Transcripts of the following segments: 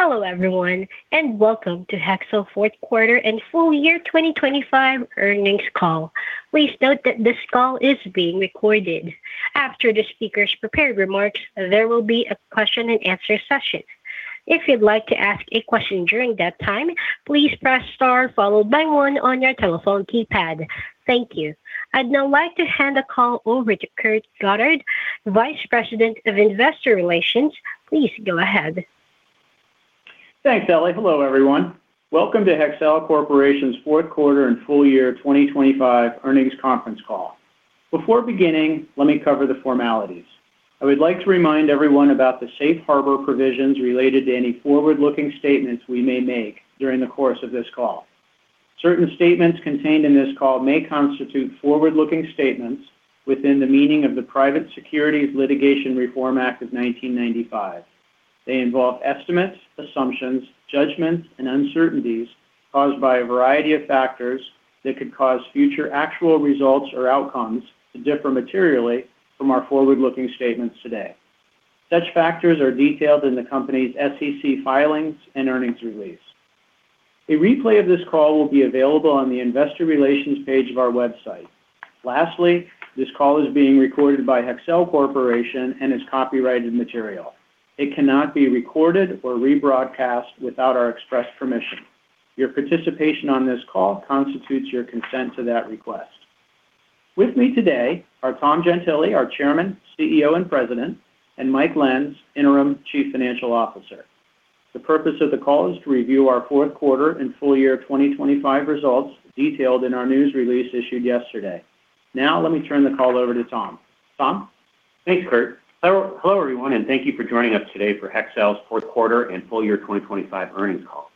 Hello everyone, and welcome to Hexcel fourth quarter and full year 2025 earnings call. Please note that this call is being recorded. After the speaker's prepared remarks, there will be a question and answer session. If you'd like to ask a question during that time, please press Star, followed by one on your telephone keypad. Thank you. I'd now like to hand the call over to Kurt Goddard, Vice President of Investor Relations. Please go ahead. Thanks, Ellie. Hello, everyone. Welcome to Hexcel Corporation's fourth quarter and full year 2025 earnings conference call. Before beginning, let me cover the formalities. I would like to remind everyone about the safe harbor provisions related to any forward-looking statements we may make during the course of this call. Certain statements contained in this call may constitute forward-looking statements within the meaning of the Private Securities Litigation Reform Act of 1995. They involve estimates, assumptions, judgments, and uncertainties caused by a variety of factors that could cause future actual results or outcomes to differ materially from our forward-looking statements today. Such factors are detailed in the company's SEC filings and earnings release. A replay of this call will be available on the investor relations page of our website. Lastly, this call is being recorded by Hexcel Corporation and is copyrighted material. It cannot be recorded or rebroadcast without our express permission. Your participation on this call constitutes your consent to that request. With me today are Tom Gentile, our Chairman, CEO, and President, and Mike Lenz, Interim Chief Financial Officer. The purpose of the call is to review our fourth quarter and full year 2025 results, detailed in our news release issued yesterday. Now, let me turn the call over to Tom. Tom? Thanks, Kurt. Hello, hello, everyone, and thank you for joining us today for Hexcel's fourth quarter and full year 2025 earnings call.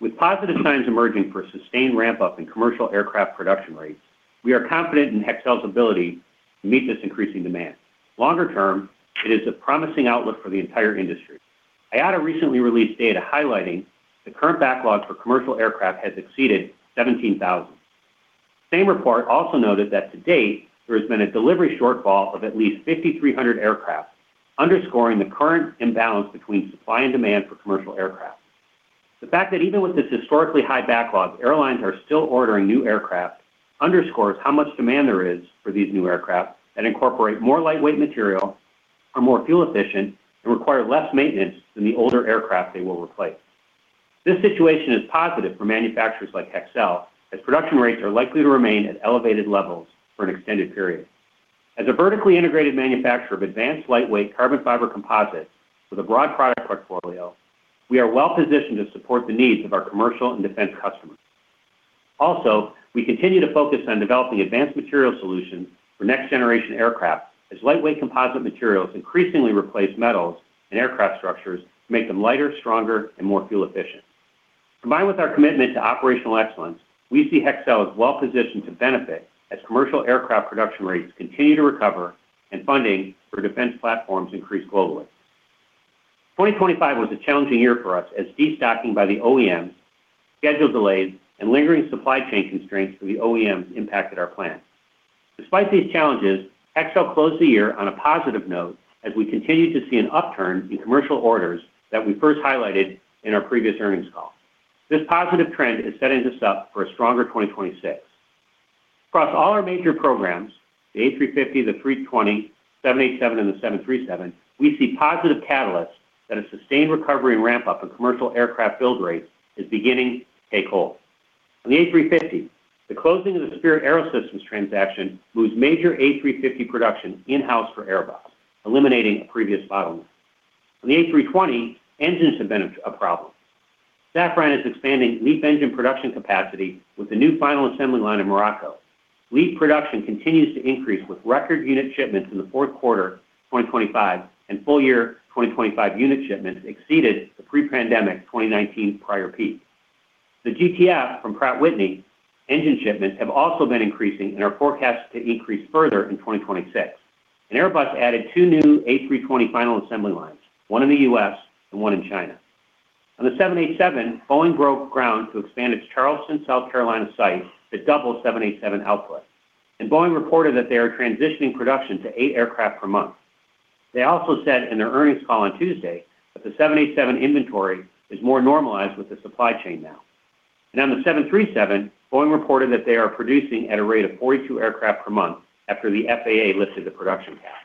With positive signs emerging for a sustained ramp-up in commercial aircraft production rates, we are confident in Hexcel's ability to meet this increasing demand. Longer term, it is a promising outlook for the entire industry. IATA recently released data highlighting the current backlog for commercial aircraft has exceeded 17,000. Same report also noted that to date, there has been a delivery shortfall of at least 5,300 aircraft, underscoring the current imbalance between supply and demand for commercial aircraft. The fact that even with this historically high backlog, airlines are still ordering new aircraft underscores how much demand there is for these new aircraft that incorporate more lightweight material, are more fuel-efficient, and require less maintenance than the older aircraft they will replace. This situation is positive for manufacturers like Hexcel, as production rates are likely to remain at elevated levels for an extended period. As a vertically integrated manufacturer of advanced lightweight carbon fiber composites with a broad product portfolio, we are well-positioned to support the needs of our commercial and defense customers. Also, we continue to focus on developing advanced material solutions for next-generation aircraft, as lightweight composite materials increasingly replace metals and aircraft structures to make them lighter, stronger, and more fuel efficient. Combined with our commitment to operational excellence, we see Hexcel as well-positioned to benefit as commercial aircraft production rates continue to recover and funding for defense platforms increase globally. 2025 was a challenging year for us as destocking by the OEMs, schedule delays, and lingering supply chain constraints for the OEMs impacted our plans. Despite these challenges, Hexcel closed the year on a positive note as we continued to see an upturn in commercial orders that we first highlighted in our previous earnings call. This positive trend is setting us up for a stronger 2026. Across all our major programs, the A350, the A320, 787, and the 737, we see positive catalysts that a sustained recovery and ramp-up in commercial aircraft build rates is beginning to take hold. On the A350, the closing of the Spirit AeroSystems transaction moves major A350 production in-house for Airbus, eliminating a previous bottleneck. On the A320, engines have been a problem. Safran is expanding LEAP engine production capacity with a new final assembly line in Morocco. LEAP production continues to increase, with record unit shipments in the fourth quarter, 2025, and full year 2025 unit shipments exceeded the pre-pandemic 2019 prior peak. The GTF from Pratt & Whitney engine shipments have also been increasing and are forecast to increase further in 2026, and Airbus added two new A320 final assembly lines, one in the U.S. and one in China. On the 787, Boeing broke ground to expand its Charleston, South Carolina, site to double 787 output, and Boeing reported that they are transitioning production to eight aircraft per month. They also said in their earnings call on Tuesday that the 787 inventory is more normalized with the supply chain now. On the 737, Boeing reported that they are producing at a rate of 42 aircraft per month after the FAA lifted the production cap.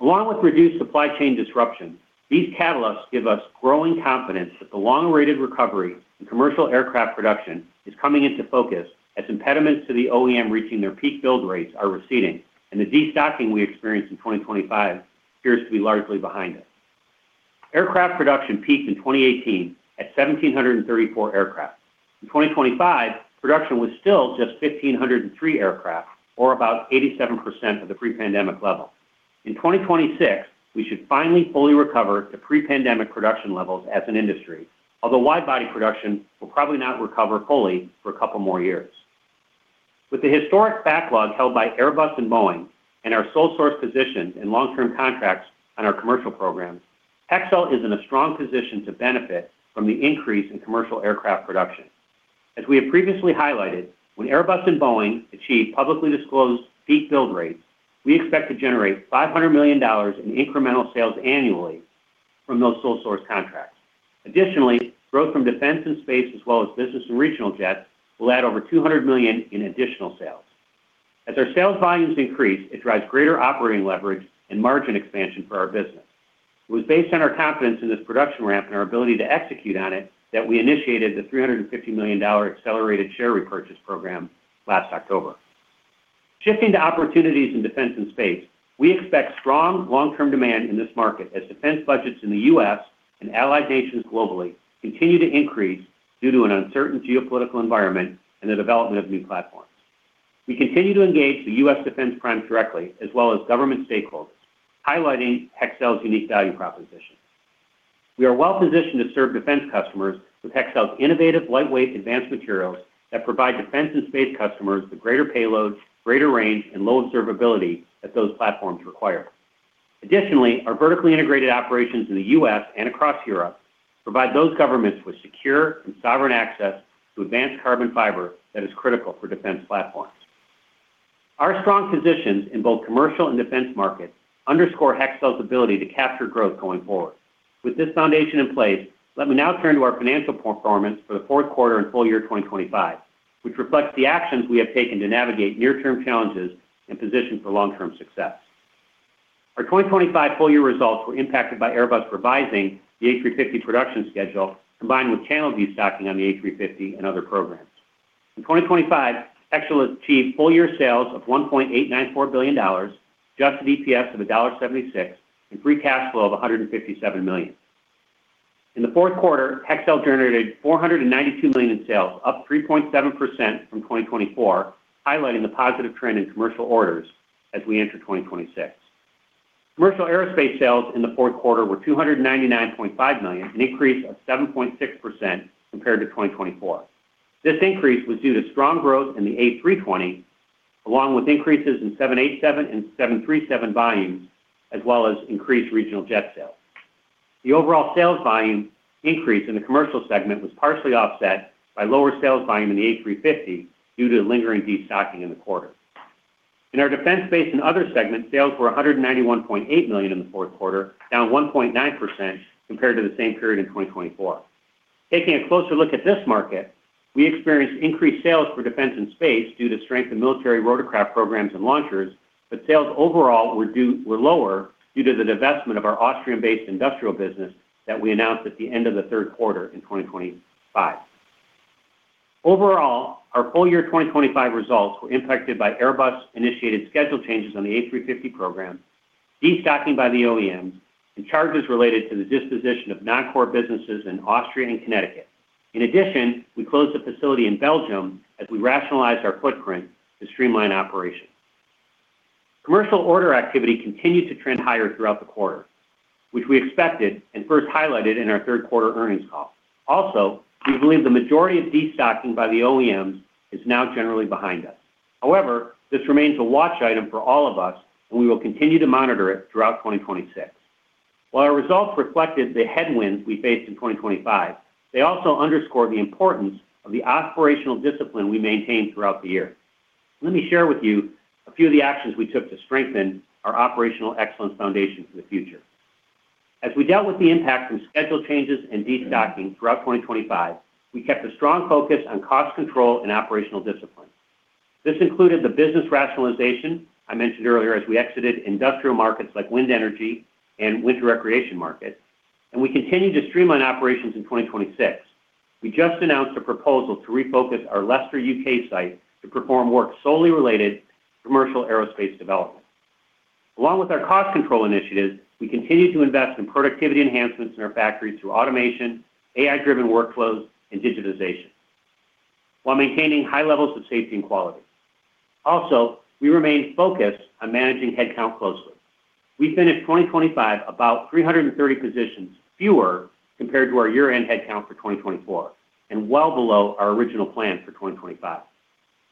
Along with reduced supply chain disruptions, these catalysts give us growing confidence that the long-awaited recovery in commercial aircraft production is coming into focus as impediments to the OEM reaching their peak build rates are receding, and the destocking we experienced in 2025 appears to be largely behind us. Aircraft production peaked in 2018 at 1,734 aircraft. In 2025, production was still just 1,503 aircraft, or about 87% of the pre-pandemic level. In 2026, we should finally fully recover to pre-pandemic production levels as an industry, although wide-body production will probably not recover fully for a couple more years. With the historic backlog held by Airbus and Boeing and our sole source position and long-term contracts on our commercial programs, Hexcel is in a strong position to benefit from the increase in commercial aircraft production. As we have previously highlighted, when Airbus and Boeing achieve publicly disclosed peak build rates, we expect to generate $500 million in incremental sales annually from those sole source contracts. Additionally, growth from defense and space, as well as business and regional jets, will add over $200 million in additional sales. As our sales volumes increase, it drives greater operating leverage and margin expansion for our business. It was based on our confidence in this production ramp and our ability to execute on it, that we initiated the $350 million accelerated share repurchase program last October. Shifting to opportunities in defense and space, we expect strong long-term demand in this market as defense budgets in the U.S. and allied nations globally continue to increase due to an uncertain geopolitical environment and the development of new platforms. We continue to engage the U.S. Defense Prime directly, as well as government stakeholders, highlighting Hexcel's unique value proposition. We are well-positioned to serve defense customers with Hexcel's innovative, lightweight, advanced materials that provide defense and space customers with greater payloads, greater range, and low observability that those platforms require. Additionally, our vertically integrated operations in the U.S. and across Europe provide those governments with secure and sovereign access to advanced carbon fiber that is critical for defense platforms. Our strong positions in both commercial and defense markets underscore Hexcel's ability to capture growth going forward. With this foundation in place, let me now turn to our financial performance for the fourth quarter and full year 2025, which reflects the actions we have taken to navigate near-term challenges and position for long-term success. Our 2025 full-year results were impacted by Airbus revising the A350 production schedule, combined with channel destocking on the A350 and other programs. In 2025, Hexcel achieved full-year sales of $1.894 billion, adjusted EPS of $1.76, and free cash flow of $157 million. In the fourth quarter, Hexcel generated $492 million in sales, up 3.7% from 2024, highlighting the positive trend in commercial orders as we enter 2026. Commercial aerospace sales in the fourth quarter were $299.5 million, an increase of 7.6% compared to 2024. This increase was due to strong growth in the A320, along with increases in 787 and 737 volumes, as well as increased regional jet sales. The overall sales volume increase in the commercial segment was partially offset by lower sales volume in the A350 due to lingering destocking in the quarter. In our defense space and other segments, sales were $191.8 million in the fourth quarter, down 1.9% compared to the same period in 2024. Taking a closer look at this market, we experienced increased sales for defense and space due to strength in military rotorcraft programs and launchers, but sales overall were lower due to the divestment of our Austrian-based industrial business that we announced at the end of the third quarter in 2025. Overall, our full year 2025 results were impacted by Airbus-initiated schedule changes on the A350 program, destocking by the OEMs, and charges related to the disposition of non-core businesses in Austria and Connecticut. In addition, we closed a facility in Belgium as we rationalized our footprint to streamline operations. Commercial order activity continued to trend higher throughout the quarter, which we expected and first highlighted in our third quarter earnings call. Also, we believe the majority of destocking by the OEMs is now generally behind us. However, this remains a watch item for all of us, and we will continue to monitor it throughout 2026. While our results reflected the headwinds we faced in 2025, they also underscored the importance of the operational discipline we maintained throughout the year. Let me share with you a few of the actions we took to strengthen our operational excellence foundation for the future. As we dealt with the impact from schedule changes and destocking throughout 2025, we kept a strong focus on cost control and operational discipline. This included the business rationalization I mentioned earlier, as we exited industrial markets like wind energy and winter recreation markets, and we continued to streamline operations in 2026. We just announced a proposal to refocus our Leicester, U.K., site to perform work solely related to commercial aerospace development. Along with our cost control initiatives, we continue to invest in productivity enhancements in our factories through automation, AI-driven workflows, and digitization, while maintaining high levels of safety and quality. Also, we remain focused on managing headcount closely. We finished 2025, about 330 positions fewer compared to our year-end headcount for 2024, and well below our original plan for 2025.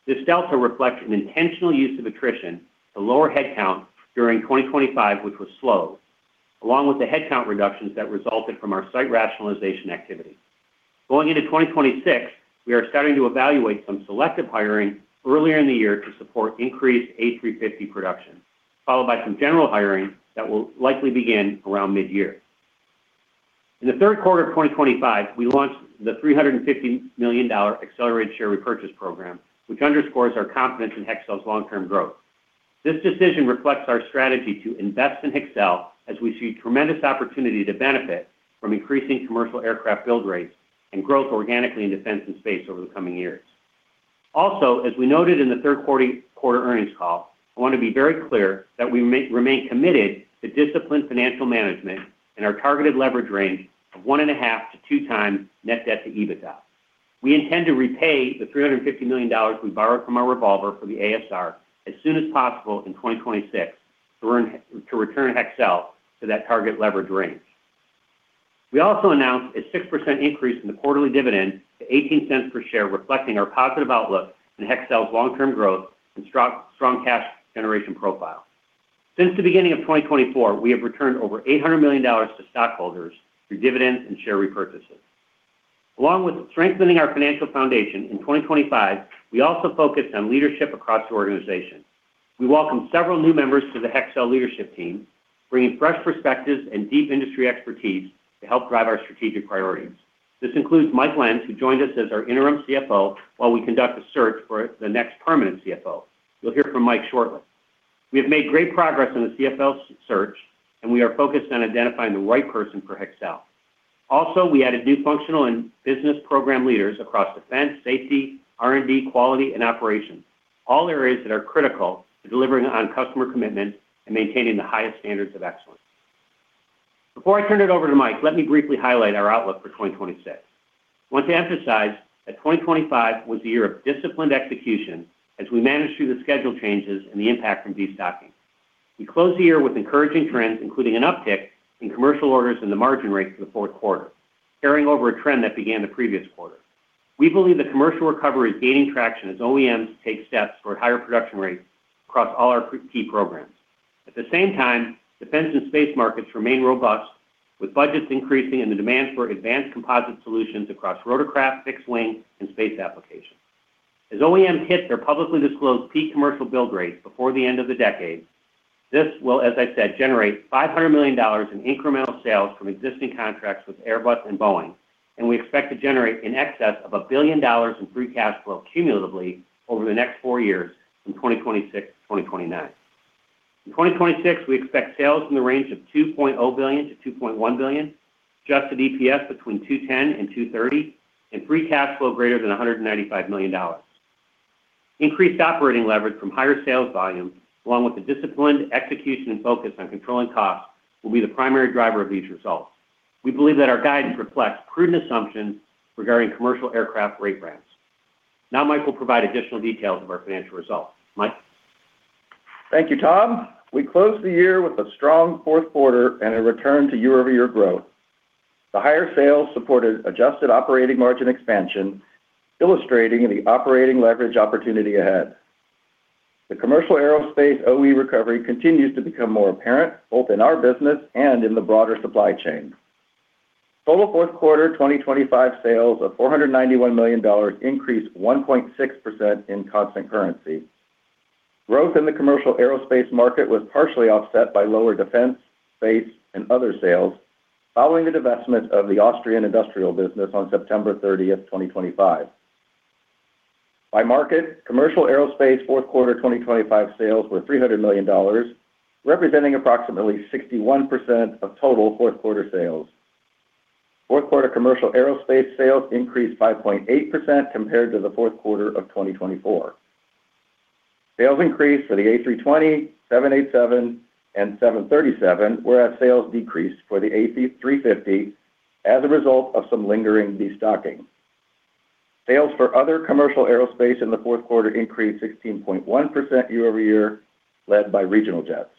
This delta reflects an intentional use of attrition to lower headcount during 2025, which was slow, along with the headcount reductions that resulted from our site rationalization activity. Going into 2026, we are starting to evaluate some selective hiring earlier in the year to support increased A350 production, followed by some general hiring that will likely begin around mid-year. In the third quarter of 2025, we launched the $350 million accelerated share repurchase program, which underscores our confidence in Hexcel's long-term growth. This decision reflects our strategy to invest in Hexcel as we see tremendous opportunity to benefit from increasing commercial aircraft build rates and growth organically in defense and space over the coming years. Also, as we noted in the third quarter earnings call, I want to be very clear that we remain committed to disciplined financial management and our targeted leverage range of 1.5x-2x net debt to EBITDA. We intend to repay the $350 million we borrowed from our revolver for the ASR as soon as possible in 2026 to return Hexcel to that target leverage range. We also announced a 6% increase in the quarterly dividend to $0.18 per share, reflecting our positive outlook on Hexcel's long-term growth and strong, strong cash generation profile. Since the beginning of 2024, we have returned over $800 million to stockholders through dividends and share repurchases. Along with strengthening our financial foundation in 2025, we also focused on leadership across the organization. We welcomed several new members to the Hexcel leadership team, bringing fresh perspectives and deep industry expertise to help drive our strategic priorities. This includes Mike Lenz, who joined us as our interim CFO while we conduct a search for the next permanent CFO. You'll hear from Mike shortly. We have made great progress in the CFO search, and we are focused on identifying the right person for Hexcel. Also, we added new functional and business program leaders across defense, safety, R&D, quality, and operations, all areas that are critical to delivering on customer commitment and maintaining the highest standards of excellence. Before I turn it over to Mike, let me briefly highlight our outlook for 2026. I want to emphasize that 2025 was a year of disciplined execution as we managed through the schedule changes and the impact from destocking. We closed the year with encouraging trends, including an uptick in commercial orders and the margin rate for the fourth quarter, carrying over a trend that began the previous quarter. We believe the commercial recovery is gaining traction as OEMs take steps toward higher production rates across all our key programs. At the same time, defense and space markets remain robust, with budgets increasing and the demand for advanced composite solutions across rotorcraft, fixed wing, and space applications. As OEMs hit their publicly disclosed peak commercial build rates before the end of the decade, this will, as I said, generate $500 million in incremental sales from existing contracts with Airbus and Boeing, and we expect to generate in excess of $1 billion in free cash flow cumulatively over the next four years, from 2026 to 2029. In 2026, we expect sales in the range of $2.0 billion-$2.1 billion, adjusted EPS between $2.10-$2.30, and free cash flow greater than $195 million. Increased operating leverage from higher sales volumes, along with the disciplined execution and focus on controlling costs, will be the primary driver of these results. We believe that our guidance reflects prudent assumptions regarding commercial aircraft rate ramps. Now, Mike will provide additional details of our financial results. Mike? Thank you, Tom. We closed the year with a strong fourth quarter and a return to year-over-year growth. The higher sales supported adjusted operating margin expansion, illustrating the operating leverage opportunity ahead. The commercial aerospace OE recovery continues to become more apparent, both in our business and in the broader supply chain. Total fourth quarter 2025 sales of $491 million increased 1.6% in constant currency. Growth in the commercial aerospace market was partially offset by lower defense, space, and other sales, following the divestment of the Austrian Industrial business on September 30, 2025. By market, commercial aerospace fourth quarter 2025 sales were $300 million, representing approximately 61% of total fourth quarter sales. Fourth quarter commercial aerospace sales increased 5.8% compared to the fourth quarter of 2024. Sales increased for the A320, 787, and 737, whereas sales decreased for the A350 as a result of some lingering destocking. Sales for other commercial aerospace in the fourth quarter increased 16.1% year-over-year, led by regional jets.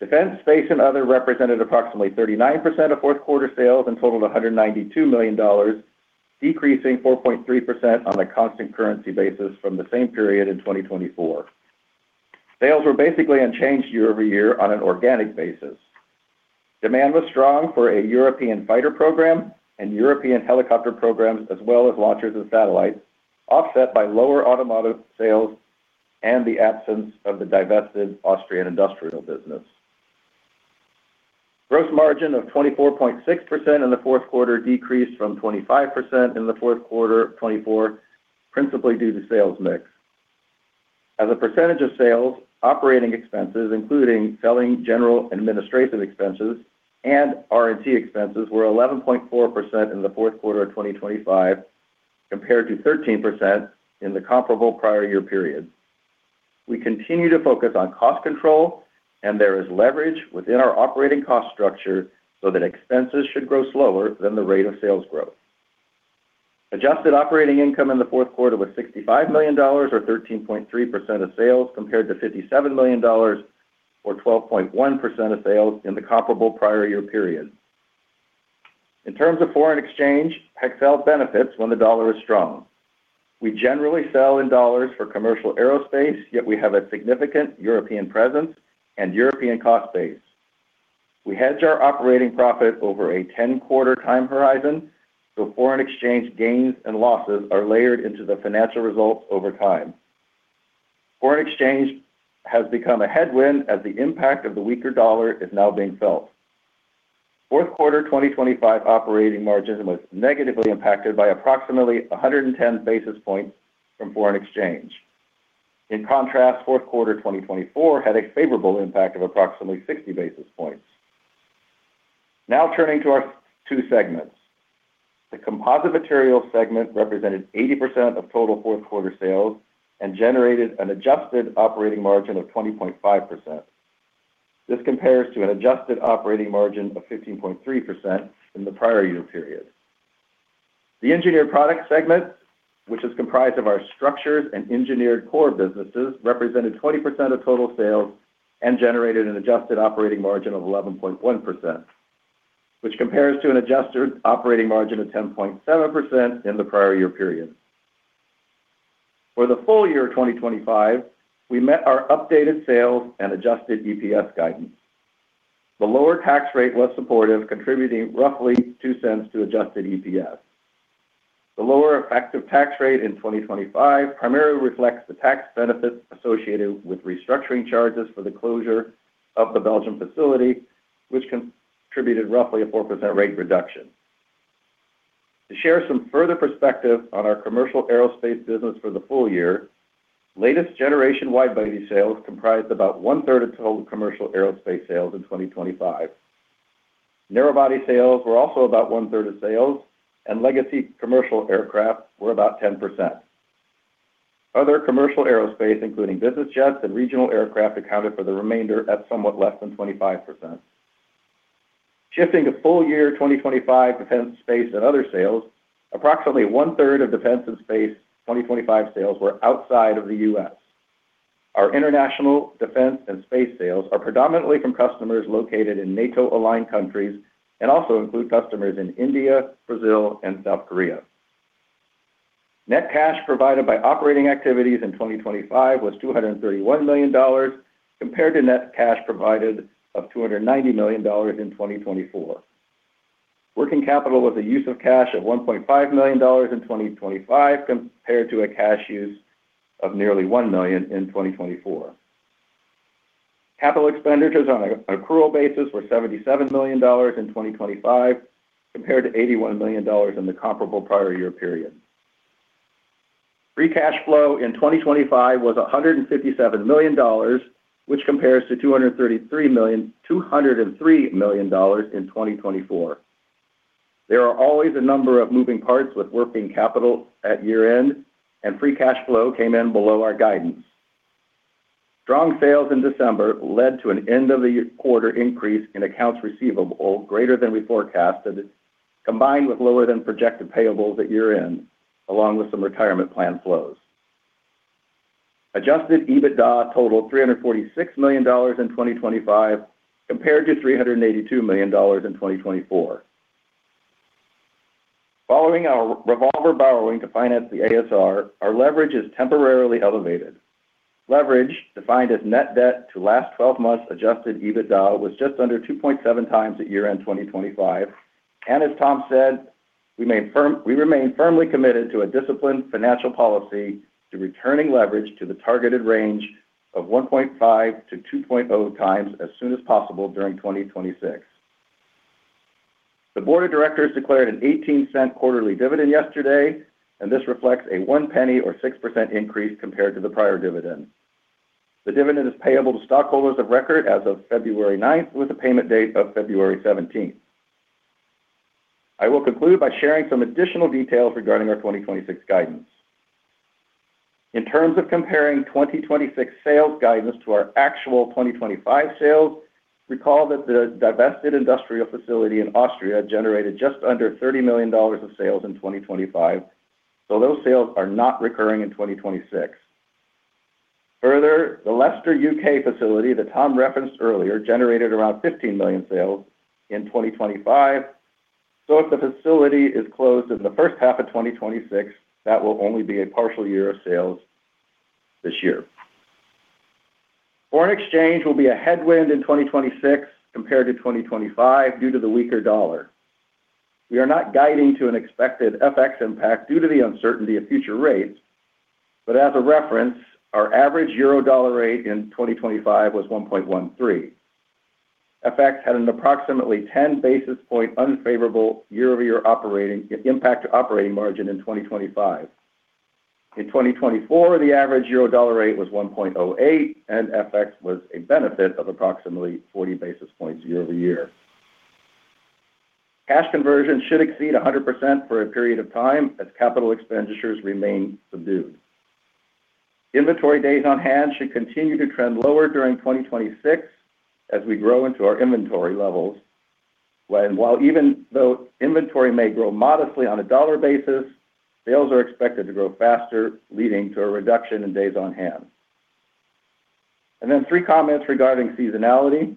Defense, space, and other represented approximately 39% of fourth quarter sales and totaled $192 million, decreasing 4.3% on a constant currency basis from the same period in 2024. Sales were basically unchanged year-over-year on an organic basis. Demand was strong for a European fighter program and European helicopter programs, as well as launchers and satellites, offset by lower automotive sales and the absence of the divested Austrian Industrial business. Gross margin of 24.6% in the fourth quarter decreased from 25% in the fourth quarter of 2024, principally due to sales mix. As a percentage of sales, operating expenses, including selling, general, and administrative expenses and R&D expenses, were 11.4% in the fourth quarter of 2025, compared to 13% in the comparable prior year period. We continue to focus on cost control, and there is leverage within our operating cost structure so that expenses should grow slower than the rate of sales growth. Adjusted operating income in the fourth quarter was $65 million or 13.3% of sales, compared to $57 million or 12.1% of sales in the comparable prior year period. In terms of foreign exchange, Hexcel benefits when the US dollar is strong. We generally sell in US dollars for commercial aerospace, yet we have a significant European presence and European cost base. We hedge our operating profit over a 10-quarter time horizon, so foreign exchange gains and losses are layered into the financial results over time. Foreign exchange has become a headwind as the impact of the weaker dollar is now being felt. Fourth quarter 2025 operating margins was negatively impacted by approximately 110 basis points from foreign exchange. In contrast, fourth quarter 2024 had a favorable impact of approximately 60 basis points. Now turning to our two segments. The composite materials segment represented 80% of total fourth quarter sales and generated an adjusted operating margin of 20.5%. This compares to an adjusted operating margin of 15.3% in the prior year period. The engineered products segment, which is comprised of our structures and engineered core businesses, represented 20% of total sales and generated an adjusted operating margin of 11.1%, which compares to an adjusted operating margin of 10.7% in the prior year period. For the full year of 2025, we met our updated sales and adjusted EPS guidance. The lower tax rate was supportive, contributing roughly $0.02 to adjusted EPS. The lower effective tax rate in 2025 primarily reflects the tax benefits associated with restructuring charges for the closure of the Belgium facility, which contributed roughly a 4% rate reduction. To share some further perspective on our commercial aerospace business for the full year, latest generation wide-body sales comprised about one-third of total commercial aerospace sales in 2025. Narrow-body sales were also about one-third of sales, and legacy commercial aircraft were about 10%. Other commercial aerospace, including business jets and regional aircraft, accounted for the remainder at somewhat less than 25%. Shifting to full year 2025 defense, space, and other sales, approximately one-third of defense and space 2025 sales were outside of the U.S. Our international defense and space sales are predominantly from customers located in NATO-aligned countries and also include customers in India, Brazil, and South Korea. Net cash provided by operating activities in 2025 was $231 million, compared to net cash provided of $290 million in 2024. Working capital was a use of cash of $1.5 million in 2025, compared to a cash use of nearly $1 million in 2024. Capital expenditures on an accrual basis were $77 million in 2025, compared to $81 million in the comparable prior year period. Free cash flow in 2025 was $157 million, which compares to $233 million-$203 million in 2024. There are always a number of moving parts with working capital at year-end, and free cash flow came in below our guidance. Strong sales in December led to an end of the quarter increase in accounts receivable greater than we forecasted, combined with lower than projected payables at year-end, along with some retirement plan flows. Adjusted EBITDA totaled $346 million in 2025, compared to $382 million in 2024. Following our revolver borrowing to finance the ASR, our leverage is temporarily elevated. Leverage, defined as net debt to last twelve months Adjusted EBITDA, was just under 2.7 times at year-end 2025. As Tom said, we remain firmly committed to a disciplined financial policy to returning leverage to the targeted range of 1.5x-2x as soon as possible during 2026. The board of directors declared an $0.18 quarterly dividend yesterday, and this reflects a $0.01 or 6% increase compared to the prior dividend. The dividend is payable to stockholders of record as of February ninth, with a payment date of February seventeenth. I will conclude by sharing some additional details regarding our 2026 guidance. In terms of comparing 2026 sales guidance to our actual 2025 sales, recall that the divested industrial facility in Austria generated just under $30 million of sales in 2025, so those sales are not recurring in 2026. Further, the Leicester, U.K., facility that Tom referenced earlier generated around $15 million sales in 2025. So if the facility is closed in the first half of 2026, that will only be a partial year of sales this year. Foreign exchange will be a headwind in 2026 compared to 2025 due to the weaker dollar. We are not guiding to an expected FX impact due to the uncertainty of future rates, but as a reference, our average euro dollar rate in 2025 was 1.13. FX had an approximately 10 basis points unfavorable year-over-year operating impact to operating margin in 2025. In 2024, the average EUR/USD rate was 1.08, and FX was a benefit of approximately 40 basis points year-over-year. Cash conversion should exceed 100% for a period of time, as capital expenditures remain subdued. Inventory days on hand should continue to trend lower during 2026 as we grow into our inventory levels, while even though inventory may grow modestly on a dollar basis, sales are expected to grow faster, leading to a reduction in days on hand. Then three comments regarding seasonality.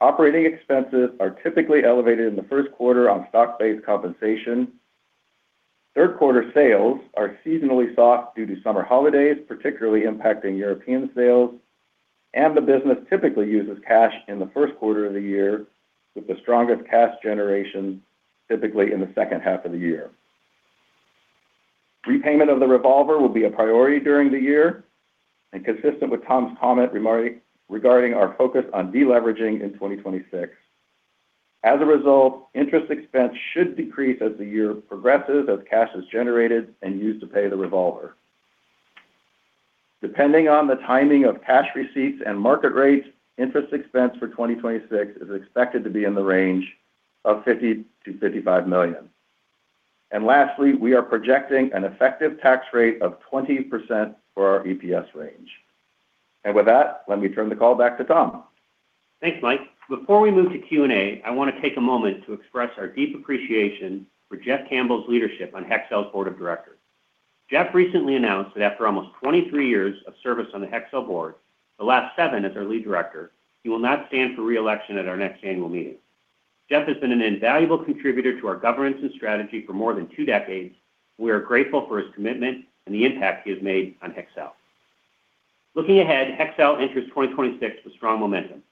Operating expenses are typically elevated in the first quarter on stock-based compensation. Third quarter sales are seasonally soft due to summer holidays, particularly impacting European sales, and the business typically uses cash in the first quarter of the year, with the strongest cash generation typically in the second half of the year. Repayment of the revolver will be a priority during the year and consistent with Tom's comment regarding our focus on deleveraging in 2026. As a result, interest expense should decrease as the year progresses, as cash is generated and used to pay the revolver. Depending on the timing of cash receipts and market rates, interest expense for 2026 is expected to be in the range of $50 million-$55 million. Lastly, we are projecting an effective tax rate of 20% for our EPS range. With that, let me turn the call back to Tom. Thanks, Mike. Before we move to Q&A, I want to take a moment to express our deep appreciation for Jeff Campell's leadership on Hexcel's board of directors. Jeff recently announced that after almost 23 years of service on the Hexcel board, the last seven as our lead director, he will not stand for re-election at our next annual meeting. Jeff has been an invaluable contributor to our governance and strategy for more than two decades. We are grateful for his commitment and the impact he has made on Hexcel. Looking ahead, Hexcel enters 2026 with strong momentum.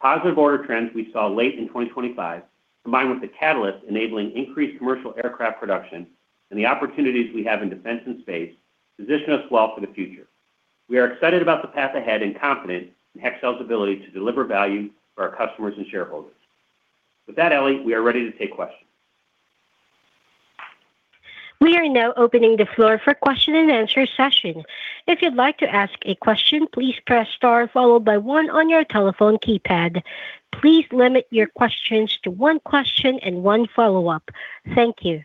Positive order trends we saw late in 2025, combined with the catalyst enabling increased commercial aircraft production and the opportunities we have in defense and space, position us well for the future. We are excited about the path ahead and confident in Hexcel's ability to deliver value for our customers and shareholders. With that, Ellie, we are ready to take questions. We are now opening the floor for question and answer session. If you'd like to ask a question, please press star followed by one on your telephone keypad. Please limit your questions to one question and one follow-up. Thank you.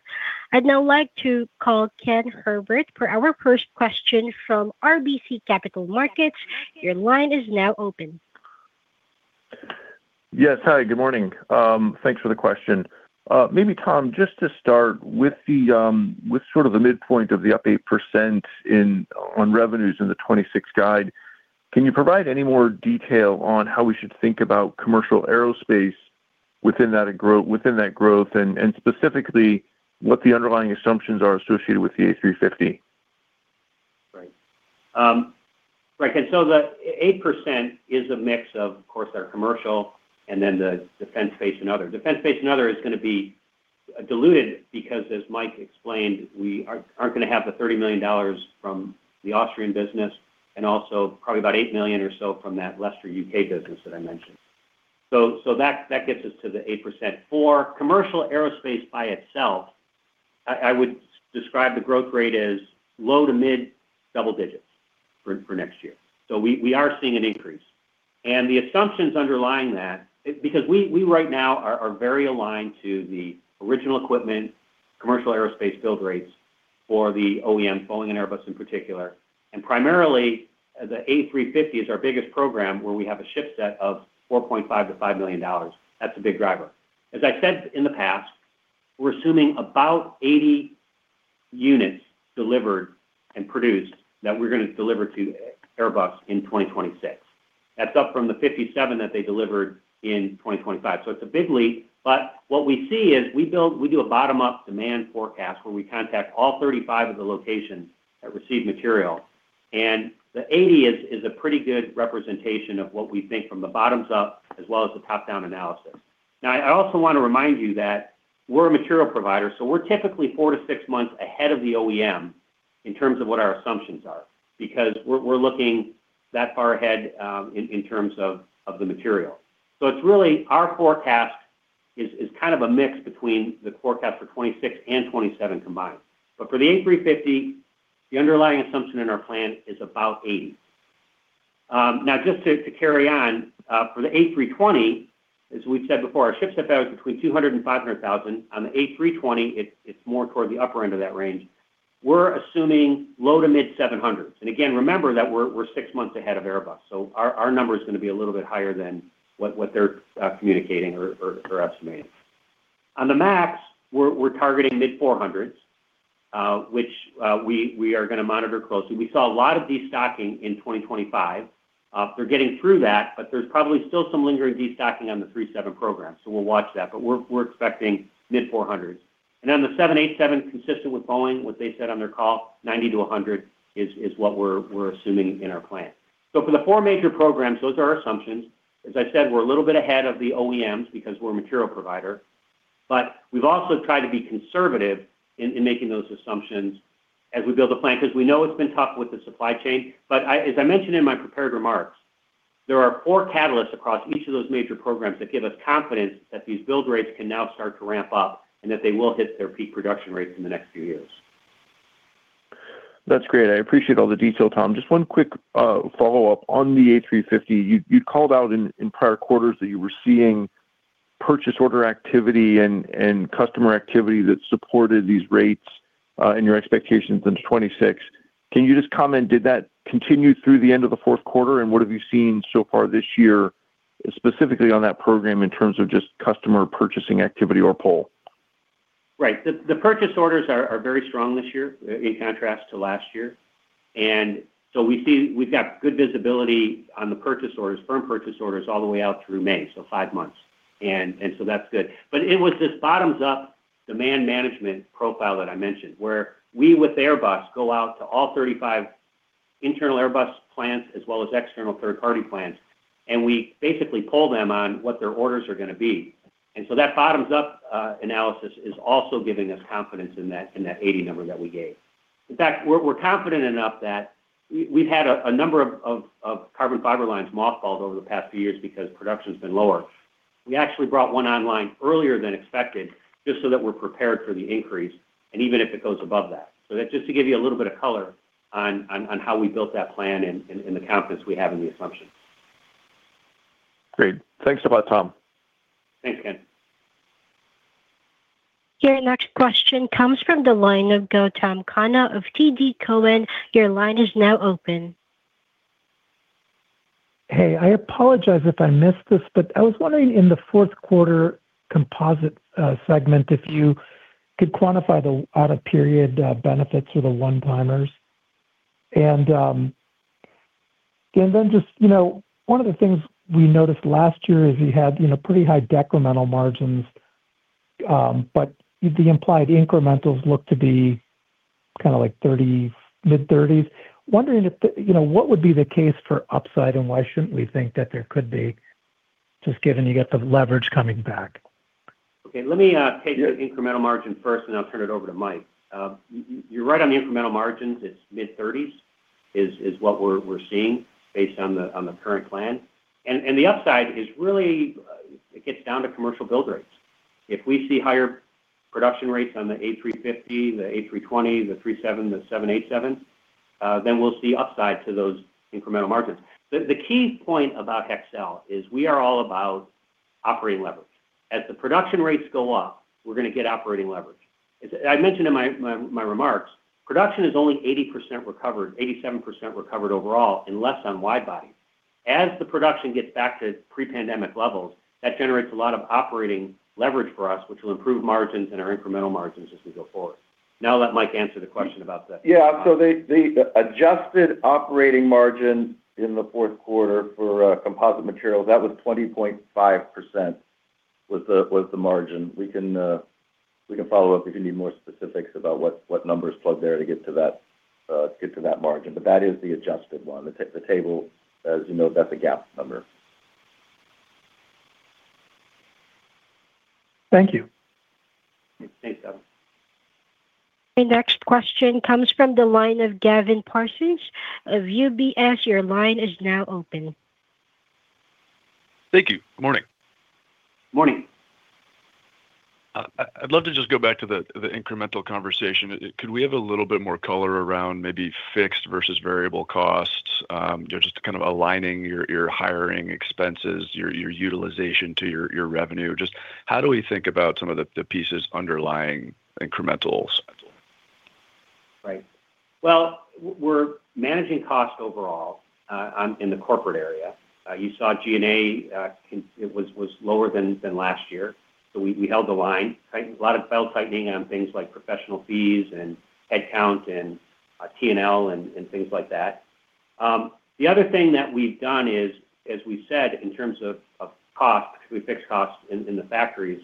I'd now like to call Ken Herbert for our first question from RBC Capital Markets. Your line is now open. Yes. Hi, good morning. Thanks for the question. Maybe, Tom, just to start with the midpoint of the up 8% in revenues in the 2026 guide, can you provide any more detail on how we should think about commercial aerospace within that growth, and specifically, what the underlying assumptions are associated with the A350? Right. Right, and so the 8% is a mix of course, our commercial and then the defense, space, and other. Defense, space, and other is gonna be diluted because, as Mike explained, we are, aren't gonna have the $30 million from the Austrian business, and also probably about $8 million or so from that Leicester, U.K., business that I mentioned. So, so that, that gets us to the 8%. For commercial aerospace by itself, I would describe the growth rate as low to mid double digits for next year. So we are seeing an increase. And the assumptions underlying that, because we right now are very aligned to the original equipment, commercial aerospace build rates for the OEM, Boeing and Airbus in particular. Primarily, the A350 is our biggest program, where we have a shipset of $4.5 million-$5 million. That's a big driver. As I said in the past, we're assuming about 80 units delivered and produced that we're gonna deliver to Airbus in 2026. That's up from the 57 that they delivered in 2025, so it's a big leap. But what we see is we do a bottom-up demand forecast, where we contact all 35 of the locations that receive material, and the 80 is a pretty good representation of what we think from the bottoms up as well as the top-down analysis. Now, I also want to remind you that we're a material provider, so we're typically 4-6 months ahead of the OEM in terms of what our assumptions are, because we're looking that far ahead in terms of the material. So it's really our forecast is kind of a mix between the forecast for 2026 and 2027 combined. But for the A350, the underlying assumption in our plan is about 80. Now just to carry on, for the A320, as we've said before, our shipset out is between $200,000 and $500,000. On the A320, it's more toward the upper end of that range. We're assuming low to mid 700s. And again, remember that we're six months ahead of Airbus, so our number is gonna be a little bit higher than what they're communicating or estimating. On the MAX, we're targeting mid-400s, which we are gonna monitor closely. We saw a lot of destocking in 2025. They're getting through that, but there's probably still some lingering destocking on the 737 program, so we'll watch that, but we're expecting mid-400s. And then the 787, consistent with Boeing, what they said on their call, 90-100 is what we're assuming in our plan. So for the four major programs, those are our assumptions. As I said, we're a little bit ahead of the OEMs because we're a material provider, but we've also tried to be conservative in making those assumptions as we build a plan, because we know it's been tough with the supply chain. But as I mentioned in my prepared remarks, there are four catalysts across each of those major programs that give us confidence that these build rates can now start to ramp up, and that they will hit their peak production rates in the next few years. That's great. I appreciate all the detail, Tom. Just one quick follow-up. On the A350, you'd called out in prior quarters that you were seeing purchase order activity and customer activity that supported these rates and your expectations into 2026. Can you just comment, did that continue through the end of the fourth quarter, and what have you seen so far this year, specifically on that program, in terms of just customer purchasing activity or pull? Right. The purchase orders are very strong this year, in contrast to last year. And so we see. We've got good visibility on the purchase orders, firm purchase orders, all the way out through May, so five months. And so that's good. But it was this bottoms up demand management profile that I mentioned, where we, with Airbus, go out to all 35 internal Airbus plants, as well as external third-party plants, and we basically poll them on what their orders are gonna be. And so that bottoms up analysis is also giving us confidence in that 80 number that we gave. In fact, we're confident enough that we've had a number of carbon fiber lines mothballed over the past few years because production's been lower. We actually brought one online earlier than expected, just so that we're prepared for the increase and even if it goes above that. So that's just to give you a little bit of color on how we built that plan and the confidence we have in the assumptions. Great. Thanks a lot, Tom. Thanks, Ken. Your next question comes from the line of Gautam Khanna of TD Cowen. Your line is now open. Hey, I apologize if I missed this, but I was wondering in the fourth quarter composite segment, if you could quantify the out-of-period benefits or the one-timers. And then just, you know, one of the things we noticed last year is you had, you know, pretty high decremental margins, but the implied incrementals look to be kind of like 30, mid-30s. Wondering if, you know, what would be the case for upside, and why shouldn't we think that there could be, just given you get the leverage coming back? Okay, let me take the incremental margin first, and I'll turn it over to Mike. You, you're right on the incremental margins. It's mid-30s, is what we're seeing based on the current plan. And the upside is really, it gets down to commercial build rates. If we see higher production rates on the A350, the A320, the 737, the 787, then we'll see upside to those incremental margins. The key point about Hexcel is we are all about operating leverage. As the production rates go up, we're going to get operating leverage. As I mentioned in my remarks, production is only 80% recovered, 87% recovered overall, and less on wide bodies. As the production gets back to pre-pandemic levels, that generates a lot of operating leverage for us, which will improve margins and our incremental margins as we go forward. Now, I'll let Mike answer the question about that. Yeah, so the adjusted operating margin in the fourth quarter for composite materials, that was 20.5%, was the margin. We can follow up if you need more specifics about what numbers plug there to get to that margin, but that is the adjusted one. The table, as you know, that's a GAAP number. Thank you. Thanks, Gautam. The next question comes from the line of Gavin Parsons of UBS. Your line is now open. Thank you. Good morning. Morning. I'd love to just go back to the incremental conversation. Could we have a little bit more color around maybe fixed versus variable costs? Just kind of aligning your hiring expenses, your utilization to your revenue. Just how do we think about some of the pieces underlying incremental schedule? Right. Well, we're managing cost overall in the corporate area. You saw G&A, it was lower than last year, so we held the line, a lot of belt-tightening on things like professional fees and headcount and T&L and things like that. The other thing that we've done is, as we said, in terms of cost, we fixed costs in the factories.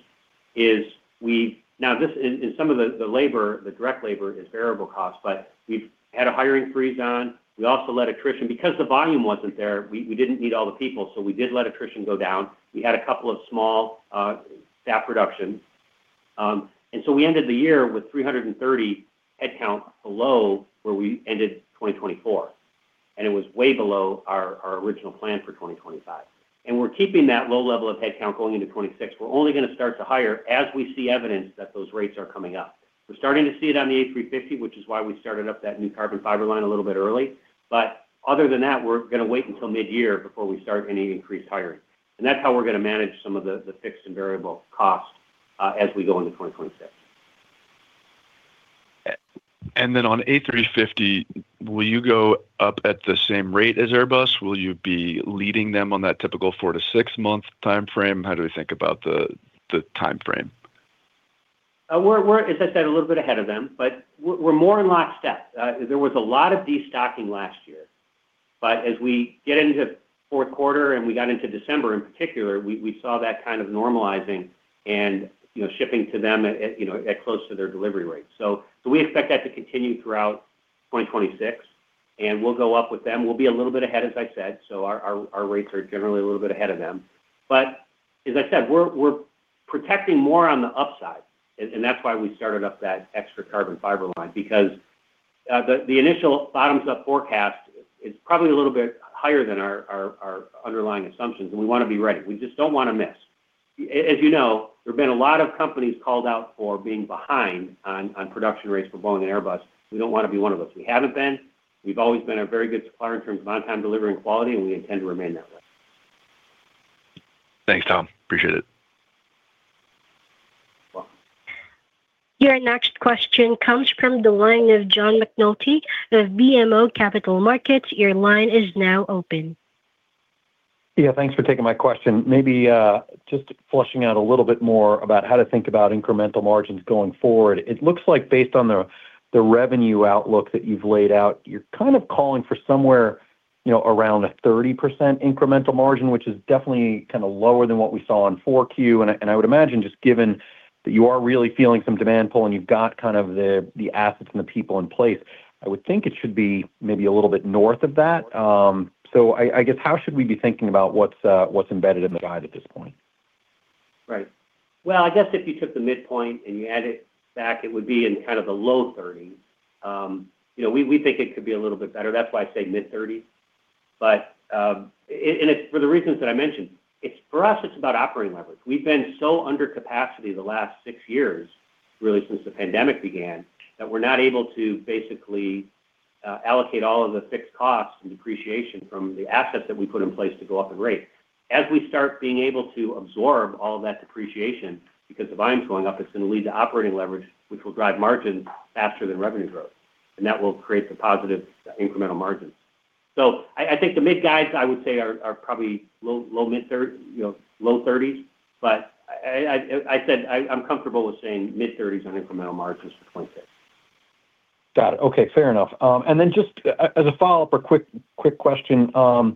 Now, this is, in some of the labor, the direct labor is variable costs, but we've had a hiring freeze on. We also let attrition go down because the volume wasn't there. We didn't need all the people, so we did let attrition go down. We had a couple of small staff reductions, and so we ended the year with 330 headcount below where we ended 2024, and it was way below our original plan for 2025. We're keeping that low level of headcount going into 2026. We're only going to start to hire as we see evidence that those rates are coming up. We're starting to see it on the A350, which is why we started up that new carbon fiber line a little bit early. But other than that, we're going to wait until midyear before we start any increased hiring. That's how we're going to manage some of the fixed and variable costs as we go into 2026. Then on A350, will you go up at the same rate as Airbus? Will you be leading them on that typical 4-6-month time frame? How do we think about the time frame? We're, as I said, a little bit ahead of them, but we're more in lockstep. There was a lot of destocking last year, but as we get into fourth quarter and we got into December in particular, we saw that kind of normalizing and, you know, shipping to them at, you know, at close to their delivery rate. So we expect that to continue throughout 2026, and we'll go up with them. We'll be a little bit ahead, as I said, so our rates are generally a little bit ahead of them. But as I said, we're protecting more on the upside, and that's why we started up that extra carbon fiber line, because the initial bottoms-up forecast is probably a little bit higher than our underlying assumptions, and we want to be ready. We just don't want to miss. As you know, there have been a lot of companies called out for being behind on production rates for Boeing and Airbus. We don't want to be one of them. We haven't been. We've always been a very good supplier in terms of on-time delivery and quality, and we intend to remain that way. Thanks, Tom. Appreciate it. Welcome. Your next question comes from the line of John McNulty of BMO Capital Markets. Your line is now open. Yeah, thanks for taking my question. Maybe just fleshing out a little bit more about how to think about incremental margins going forward. It looks like based on the revenue outlook that you've laid out, you're kind of calling for somewhere, you know, around a 30% incremental margin, which is definitely kind of lower than what we saw in 4Q. And I would imagine, just given that you are really feeling some demand pull, and you've got kind of the assets and the people in place, I would think it should be maybe a little bit north of that. So I guess, how should we be thinking about what's embedded in the guide at this point? Right. Well, I guess if you took the midpoint and you add it back, it would be in kind of the low 30s%. You know, we, we think it could be a little bit better. That's why I say mid-30s%. But, and it's for the reasons that I mentioned, it's for us, it's about operating leverage. We've been so under capacity the last six years, really since the pandemic began, that we're not able to basically allocate all of the fixed costs and depreciation from the assets that we put in place to go up in rate. As we start being able to absorb all of that depreciation, because the volume's going up, it's going to lead to operating leverage, which will drive margins faster than revenue growth, and that will create the positive incremental margins. So I think the mid guides, I would say, are probably low mid thirties, you know, low 30s, but I said I'm comfortable with saying mid-thirties on incremental margins for 2026. Got it. Okay, fair enough. And then just as a follow-up or quick question, so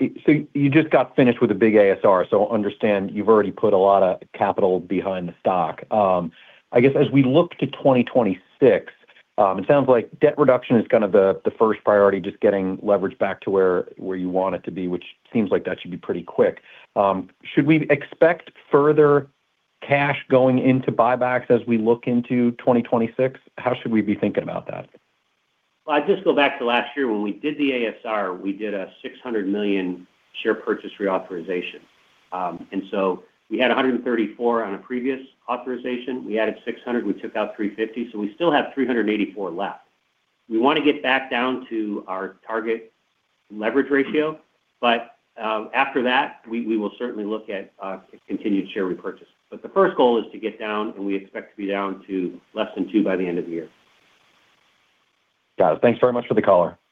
you just got finished with a big ASR, so I understand you've already put a lot of capital behind the stock. I guess as we look to 2026, it sounds like debt reduction is kind of the first priority, just getting leverage back to where you want it to be, which seems like that should be pretty quick. Should we expect further cash going into buybacks as we look into 2026? How should we be thinking about that? Well, I just go back to last year when we did the ASR, we did a $600 million share purchase reauthorization. And so we had 134 on a previous authorization. We added 600, we took out 350, so we still have 384 left. We want to get back down to our target leverage ratio, but after that, we will certainly look at continued share repurchase. But the first goal is to get down, and we expect to be down to less than two by the end of the year. Got it. Thanks very much for the color. Thank you.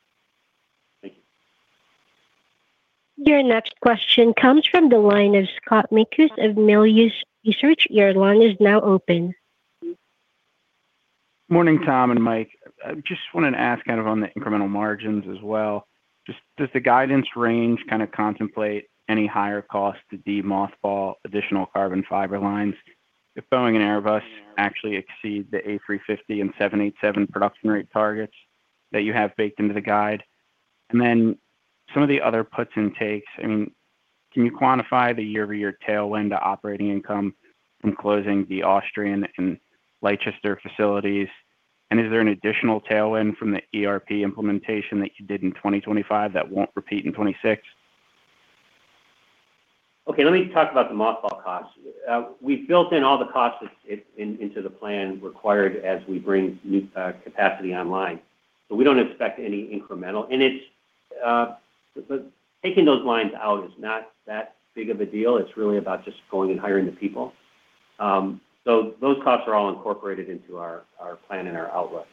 Your next question comes from the line of Scott Mikus of Melius Research. Your line is now open. Morning, Tom and Mike. I just wanted to ask kind of on the incremental margins as well, just does the guidance range kind of contemplate any higher cost to de-mothball additional carbon fiber lines if Boeing and Airbus actually exceed the A350 and 787 production rate targets that you have baked into the guide? And then some of the other puts and takes, I mean, can you quantify the year-over-year tailwind to operating income from closing the Austrian and Leicester facilities? And is there an additional tailwind from the ERP implementation that you did in 2025 that won't repeat in 2026? Okay, let me talk about the mothball costs. We've built in all the costs into the plan required as we bring new capacity online, so we don't expect any incremental. And it's but taking those lines out is not that big of a deal. It's really about just going and hiring the people. So those costs are all incorporated into our plan and our outlook.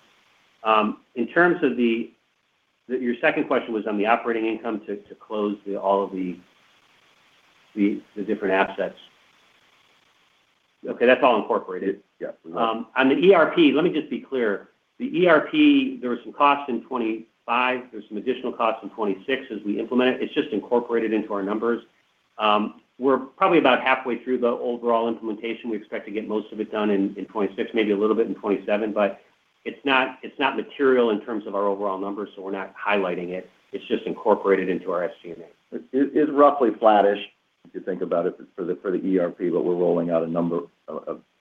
In terms of the... Your second question was on the operating income to close all of the different assets. Okay, that's all incorporated. Yes. On the ERP, let me just be clear. The ERP, there was some costs in 2025. There's some additional costs in 2026 as we implement it. It's just incorporated into our numbers. We're probably about halfway through the overall implementation. We expect to get most of it done in 2026, maybe a little bit in 2027, but it's not, it's not material in terms of our overall numbers, so we're not highlighting it. It's just incorporated into our SG&A. It's roughly flattish, if you think about it for the ERP, but we're rolling out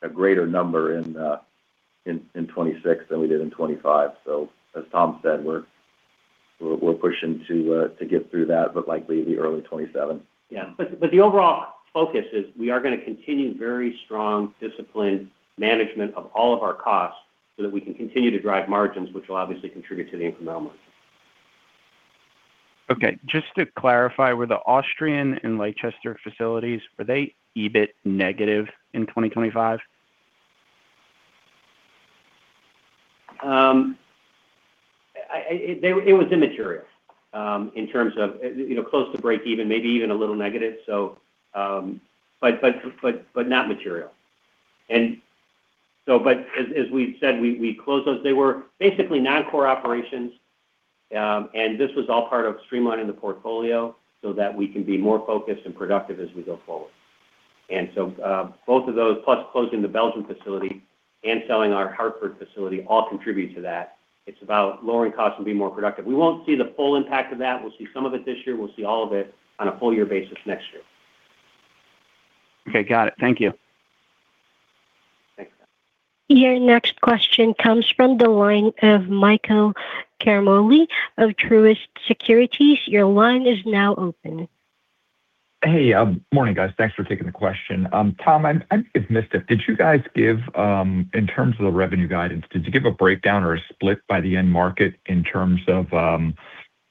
a greater number in 2026 than we did in 2025. So as Tom said, we're pushing to get through that, but likely the early 2027. Yeah. But, but the overall focus is we are gonna continue very strong, disciplined management of all of our costs so that we can continue to drive margins, which will obviously contribute to the incremental margin. Okay. Just to clarify, were the Austrian and Leicester facilities, were they EBIT negative in 2025? It was immaterial, in terms of, you know, close to breakeven, maybe even a little negative. So, not material. And so, as we've said, we closed those. They were basically non-core operations, and this was all part of streamlining the portfolio so that we can be more focused and productive as we go forward. And so, both of those, plus closing the Belgian facility and selling our Hartford facility, all contribute to that. It's about lowering costs and being more productive. We won't see the full impact of that. We'll see some of it this year. We'll see all of it on a full year basis next year. Okay, got it. Thank you. Thanks. Your next question comes from the line of Michael Ciarmoli of Truist Securities. Your line is now open. Hey, morning, guys. Thanks for taking the question. Tom, I think I missed it. Did you guys give, in terms of the revenue guidance, did you give a breakdown or a split by the end market in terms of,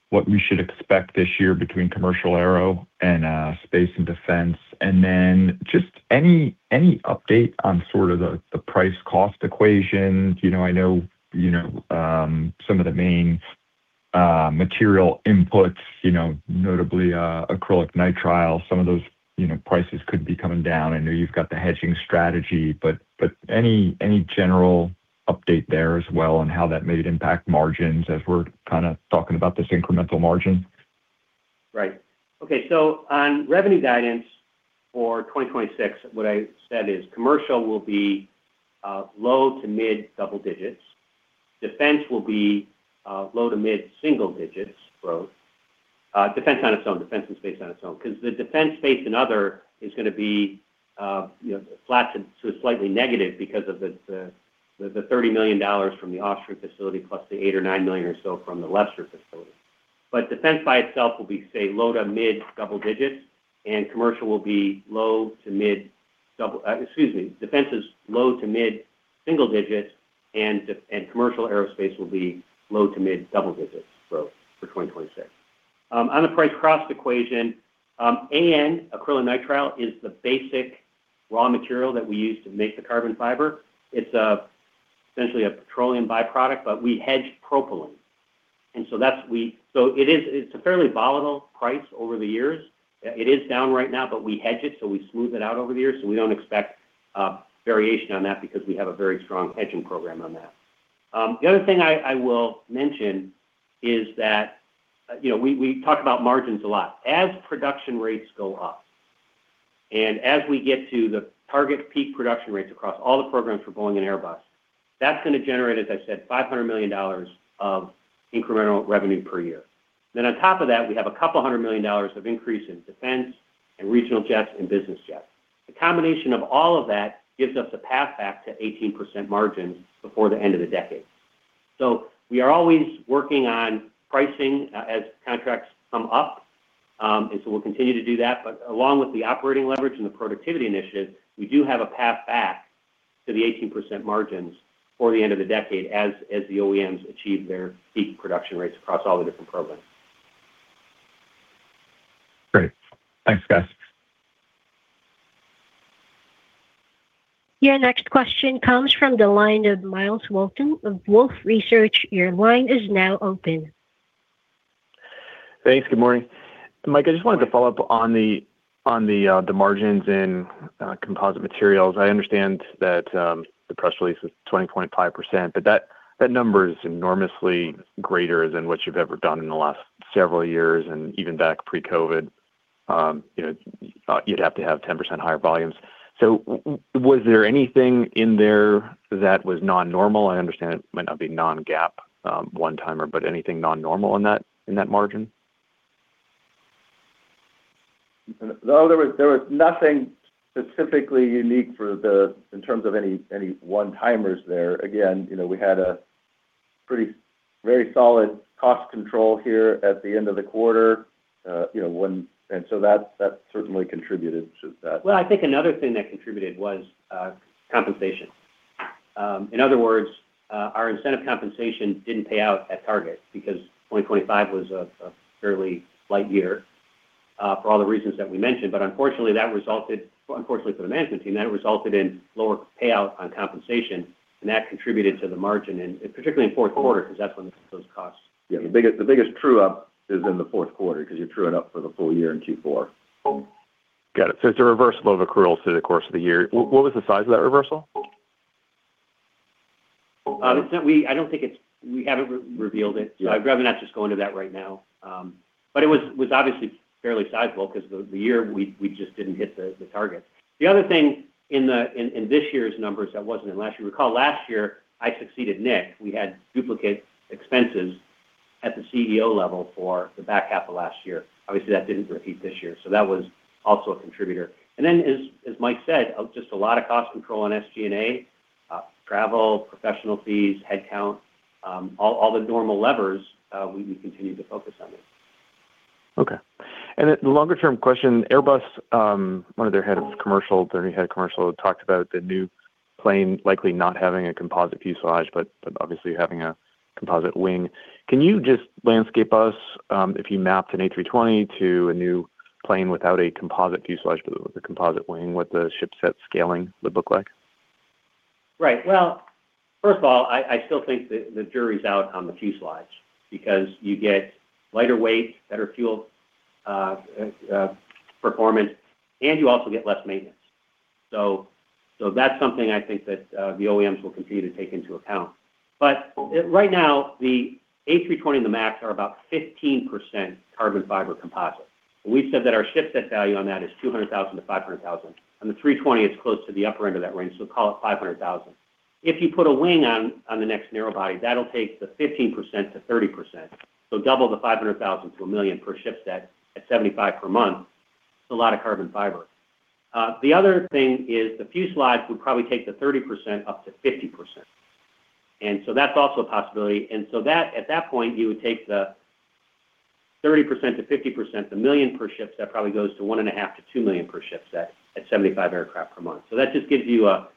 what we should expect this year between commercial aero and, space and defense? And then just any update on sort of the price-cost equations? You know, I know, some of the main material inputs, you know, notably, acrylonitrile, some of those, you know, prices could be coming down. I know you've got the hedging strategy, but any general update there as well on how that may impact margins as we're kind of talking about this incremental margin? Right. Okay, so on revenue guidance for 2026, what I said is commercial will be low to mid double digits. Defense will be low to mid single digits growth, defense on its own, defense and space on its own. Because the defense space and other is gonna be, you know, flat to slightly negative because of the $30 million from the Austrian facility, plus the $8 million or $9 million or so from the Leicester facility. But defense by itself will be, say, low to mid double digits, and commercial will be low to mid double... Excuse me, defense is low to mid single digits, and commercial aerospace will be low to mid double digits growth for 2026. On the price-cost equation, AN, acrylonitrile, is the basic raw material that we use to make the carbon fiber. It's essentially a petroleum byproduct, but we hedge propylene. So it is, it's a fairly volatile price over the years. It is down right now, but we hedge it, so we smooth it out over the years, so we don't expect variation on that because we have a very strong hedging program on that. The other thing I will mention is that, you know, we talk about margins a lot. As production rates go up, and as we get to the target peak production rates across all the programs for Boeing and Airbus, that's gonna generate, as I said, $500 million of incremental revenue per year. Then on top of that, we have a couple hundred million dollars of increase in defense and regional jets and business jets. The combination of all of that gives us a path back to 18% margins before the end of the decade. So we are always working on pricing, as contracts come up, and so we'll continue to do that. But along with the operating leverage and the productivity initiative, we do have a path back to the 18% margins for the end of the decade as, as the OEMs achieve their peak production rates across all the different programs. Great. Thanks, guys. Your next question comes from the line of Myles Walton of Wolfe Research. Your line is now open. Thanks. Good morning. Mike, I just wanted to follow up on the margins in composite materials. I understand that the press release is 20.5%, but that number is enormously greater than what you've ever done in the last several years, and even back pre-COVID. You know, you'd have to have 10 higher volumes. So was there anything in there that was non-normal? I understand it might not be non-GAAP one-timer, but anything non-normal in that margin? No, there was nothing specifically unique for the—in terms of any one-timers there. Again, you know, we had a pretty very solid cost control here at the end of the quarter, you know, and so that certainly contributed to that. Well, I think another thing that contributed was compensation. In other words, our incentive compensation didn't pay out at target because 2025 was a fairly light year for all the reasons that we mentioned. But unfortunately, that resulted, unfortunately for the management team, in lower payout on compensation, and that contributed to the margin, and particularly in fourth quarter, because that's when those costs- Yeah, the biggest, the biggest true up is in the fourth quarter because you true it up for the full year in Q4. Got it. So it's a reversal of accruals through the course of the year. What was the size of that reversal? I don't think it's we haven't revealed it, so I'd rather not just go into that right now. But it was obviously fairly sizable because the year we just didn't hit the target. The other thing in this year's numbers that wasn't in last year, you recall last year, I succeeded Nick. We had duplicate expenses at the CEO level for the back half of last year. Obviously, that didn't repeat this year, so that was also a contributor. And then, as Mike said, just a lot of cost control on SG&A, travel, professional fees, headcount, all the normal levers, we continue to focus on it. Okay. And a longer-term question, Airbus, one of their heads of commercial, their new head of commercial, talked about the new plane likely not having a composite fuselage, but, but obviously having a composite wing. Can you just landscape us, if you mapped an A320 to a new plane without a composite fuselage, but with a composite wing, what the shipset scaling would look like? Right. Well, first of all, I still think that the jury's out on the fuselage because you get lighter weight, better fuel performance, and you also get less maintenance. So that's something I think that the OEMs will continue to take into account. But right now, the A320 and the MAX are about 15% carbon fiber composite. We've said that our shipset value on that is $200,000-$500,000. On the A320, it's close to the upper end of that range, so call it $500,000. If you put a wing on the next narrow-body, that'll take the 15%-30%. So double the $500,000 to $1 million per shipset at 75 per month, it's a lot of carbon fiber. The other thing is the fuselage would probably take the 30% up to 50%, and so that's also a possibility. And so that, at that point, you would take the 30%-50%, the $1 million per shipset probably goes to $1.5 million-$2 million per shipset at 75 aircraft per month. So that just gives you a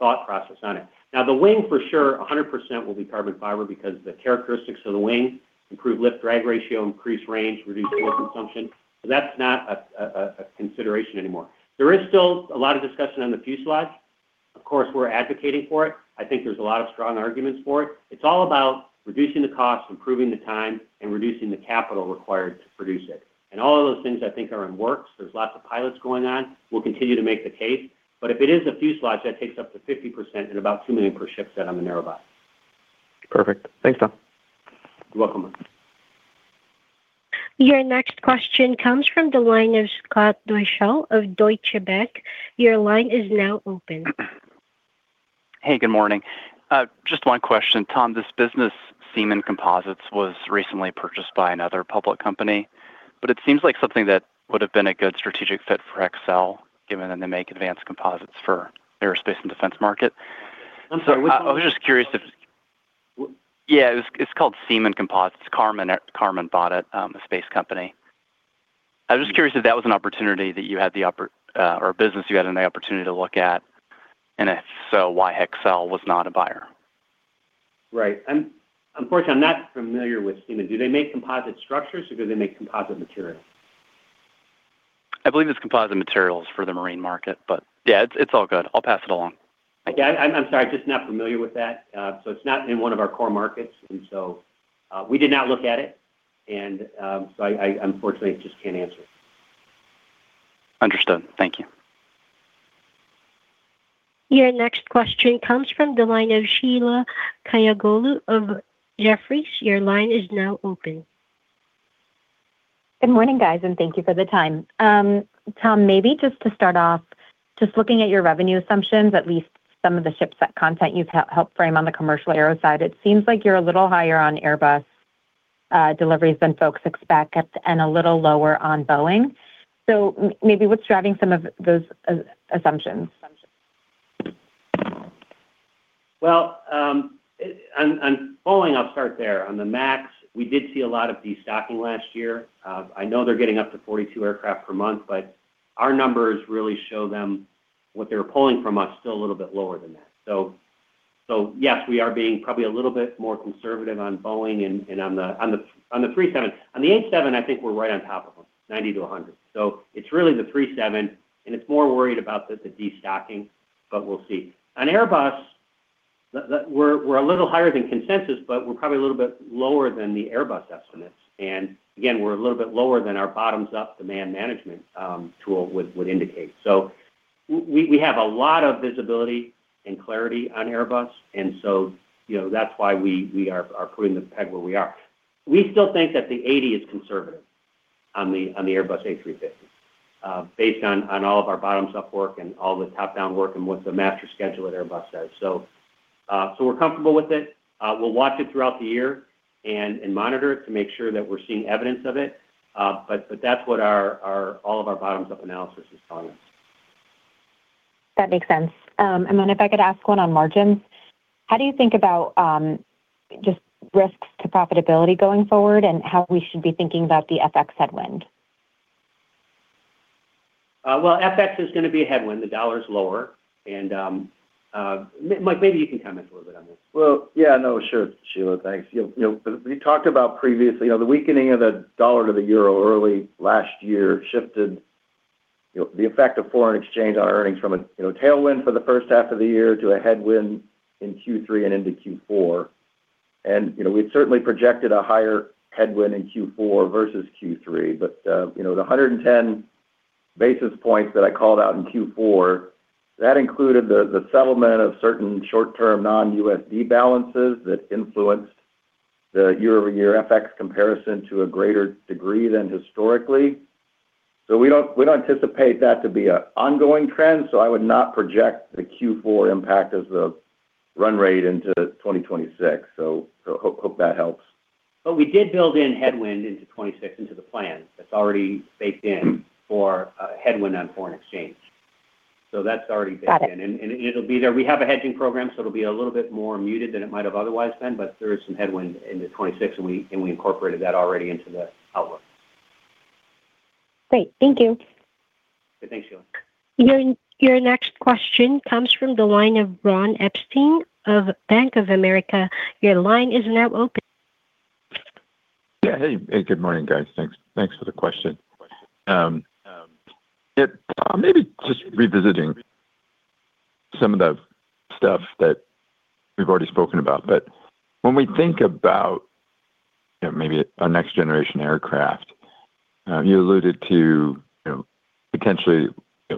thought process on it. Now, the wing, for sure, 100% will be carbon fiber because the characteristics of the wing, improve lift, drag ratio, increase range, reduce fuel consumption. So that's not a consideration anymore. There is still a lot of discussion on the fuselage. Of course, we're advocating for it. I think there's a lot of strong arguments for it. It's all about reducing the cost, improving the time, and reducing the capital required to produce it, and all of those things I think are in the works. There's lots of pilots going on. We'll continue to make the case, but if it is a fuselage, that takes up to 50% and about $2 million per shipset on the narrow-body. Perfect. Thanks, Tom. You're welcome. Your next question comes from the line of Scott Deuschle of Deutsche Bank. Your line is now open. Hey, good morning. Just one question. Tom, this business, Seemann Composites, was recently purchased by another public company, but it seems like something that would have been a good strategic fit for Hexcel, given that they make advanced composites for aerospace and defense market. I'm sorry, which one- I was just curious if... Yeah, it's, it's called Seemann Composites. Karman, Karman bought it, a space company. I was just curious if that was an opportunity that you had the opportunity to look at, or business you had an opportunity to look at, and if so, why Hexcel was not a buyer? Right. I'm, unfortunately, I'm not familiar with Seemann. Do they make composite structures or do they make composite materials? I believe it's composite materials for the marine market, but yeah, it's, it's all good. I'll pass it along. Yeah, I'm sorry, just not familiar with that. So it's not in one of our core markets, and so we did not look at it, and so I unfortunately just can't answer it. Understood. Thank you. Your next question comes from the line of Sheila Kahyaoglu of Jefferies. Your line is now open. Good morning, guys, and thank you for the time. Tom, maybe just to start off, just looking at your revenue assumptions, at least some of the shipset content you've helped frame on the commercial aero side, it seems like you're a little higher on Airbus deliveries than folks expect, and a little lower on Boeing. So maybe what's driving some of those assumptions? Well, on Boeing, I'll start there. On the MAX, we did see a lot of destocking last year. I know they're getting up to 42 aircraft per month, but our numbers really show them what they were pulling from us, still a little bit lower than that. So yes, we are being probably a little bit more conservative on Boeing and on the 737. On the 787, I think we're right on top of them, 90-100. So it's really the 737, and it's more worried about the destocking, but we'll see. On Airbus, we're a little higher than consensus, but we're probably a little bit lower than the Airbus estimates. And again, we're a little bit lower than our bottoms-up demand management tool would indicate. So we have a lot of visibility and clarity on Airbus, and so, you know, that's why we are putting the peg where we are. We still think that the 80 is conservative on the Airbus A350, based on all of our bottoms-up work and all the top-down work and what the master schedule at Airbus says. So we're comfortable with it. We'll watch it throughout the year and monitor it to make sure that we're seeing evidence of it. But that's what all of our bottoms-up analysis is telling us. That makes sense. And then if I could ask one on margins, how do you think about just risks to profitability going forward and how we should be thinking about the FX headwind? Well, FX is gonna be a headwind, the dollar is lower, and, Mike, maybe you can comment a little bit on this. Well, yeah, no, sure, Sheila, thanks. You know, we talked about previously, you know, the weakening of the dollar to the euro early last year shifted, you know, the effect of foreign exchange on earnings from a, you know, tailwind for the first half of the year to a headwind in Q3 and into Q4. And, you know, we've certainly projected a higher headwind in Q4 versus Q3, but, you know, the 110 basis points that I called out in Q4, that included the settlement of certain short-term non-USD balances that influenced the year-over-year FX comparison to a greater degree than historically. So we don't, we don't anticipate that to be an ongoing trend, so I would not project the Q4 impact as the run rate into 2026. So hope that helps. But we did build in headwind into 2026 into the plan. That's already baked in for headwind on foreign exchange. So that's already baked in. Got it. It'll be there. We have a hedging program, so it'll be a little bit more muted than it might have otherwise been, but there is some headwind into 2026, and we incorporated that already into the outlook. Great. Thank you. Thanks, Sheila. Your next question comes from the line of Ron Epstein of Bank of America. Your line is now open. Yeah. Hey, hey, good morning, guys. Thanks, thanks for the question. Yeah, maybe just revisiting some of the stuff that we've already spoken about, but when we think about, you know, maybe a next-generation aircraft, you alluded to, you know, potentially